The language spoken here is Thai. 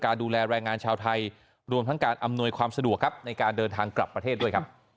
ดูแลแรงงานชาวไทยรวมทั้งการอำนวยความสะดวกครับในการเดินทางกลับประเทศด้วยครับ